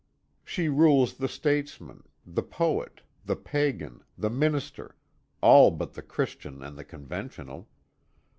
She rules the statesman, the poet, the pagan, the minister all but the Christian and the conventional.